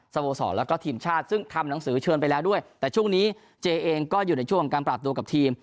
สโมสรแล้วก็ทีมชาติซึ่งทำหนังสือเชิญไปแล้วด้วยแต่ช่วงนี้เจเองก็อยู่ในช่วงของการปรับตัวกับทีม